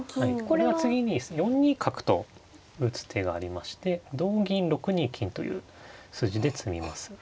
これは次に４二角と打つ手がありまして同銀６二金という筋で詰みますね。